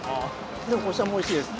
でもこしあんもおいしいです。